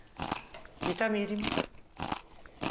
痛み入ります。